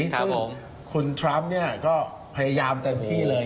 ซึ่งคุณทรัมป์ก็พยายามเต็มที่เลย